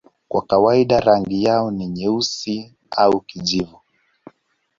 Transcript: Kwa kawaida rangi yao ni nyeusi au kijivu.